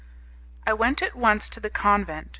I went at once to the convent.